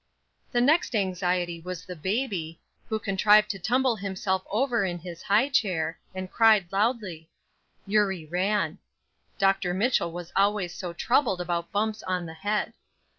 THE next anxiety was the baby, who contrived to tumble himself over in his high chair, and cried loudly. Eurie ran. Dr. Mitchell was always so troubled about bumps on the head.